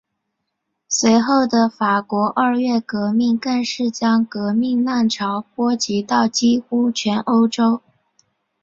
随后的法国二月革命更是将革命浪潮波及到几乎全欧洲。